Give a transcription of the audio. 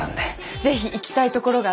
ぜひ行きたいところがあります。